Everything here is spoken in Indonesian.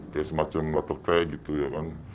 kayak semacam latar t gitu ya kan